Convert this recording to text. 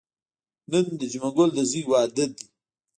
نن د جمعه ګل د ځوی واده دی.